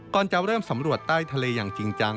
จะเริ่มสำรวจใต้ทะเลอย่างจริงจัง